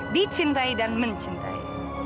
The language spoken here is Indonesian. dicintai dan mencintai